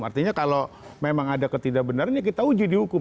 artinya kalau memang ada ketidakbenaran ya kita uji di hukum